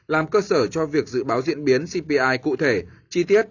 làm cơ sở cho việc dự báo diễn biến cpi cụ thể chi tiết